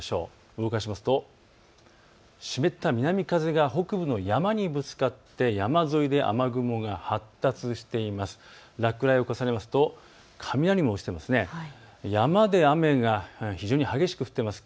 動かしますと湿った南風が北部の山にぶつかって山沿いで雨雲が発達しています。